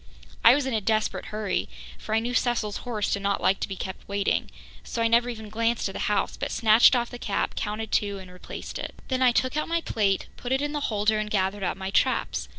I was in a desperate hurry, for I knew Cecil's horse did not like to be kept waiting, so I never even glanced at the house, but snatched off the cap, counted two and replaced it. Then I took out my plate, put it in the holder and gathered up my traps.